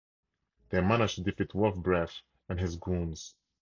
They manage to defeat Wolfbreath and his goons.